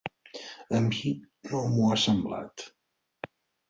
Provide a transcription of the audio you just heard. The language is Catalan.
A mi no m’ho ha semblat.